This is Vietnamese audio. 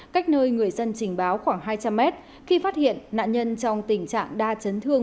cách nơi người dân trình báo khoảng hai trăm linh mét khi phát hiện nạn nhân trong tình trạng đa chấn thương